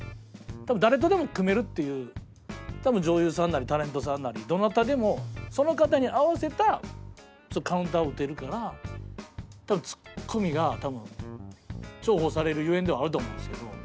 多分女優さんなりタレントさんなりどなたでもその方に合わせたカウンターを打てるからツッコミが多分重宝されるゆえんではあると思うんですけど。